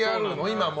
今も？